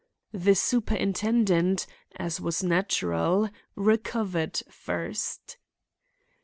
The superintendent, as was natural, recovered first.